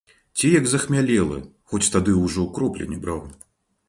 Ці як захмялелы, хоць тады ўжо кроплі не браў.